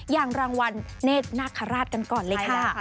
อย่างรางวัลเนธนาคาราชกันก่อนเลยค่ะ